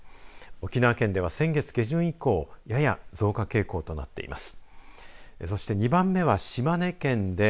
沖縄県では先月下旬以降、やや増加傾向となっています。